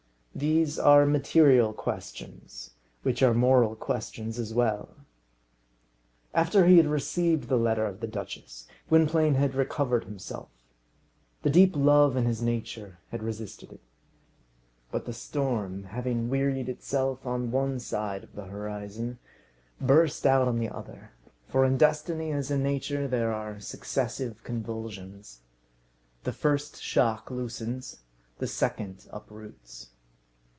These are material questions, which are moral questions as well. After he had received the letter of the duchess, Gwynplaine had recovered himself. The deep love in his nature had resisted it. But the storm having wearied itself on one side of the horizon, burst out on the other; for in destiny, as in nature, there are successive convulsions. The first shock loosens, the second uproots.